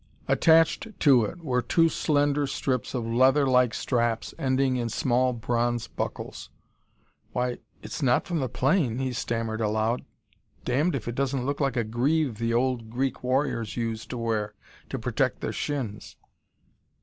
Attached to it were two slender strips of leather like straps, ending in small, bronze buckles. "Why, it's not from the plane," he stammered aloud. "Damned if it doesn't look like a greave the old Greek warriors used to wear to protect their shins."